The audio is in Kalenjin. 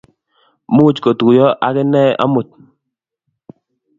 Much kotuyo ak inet amut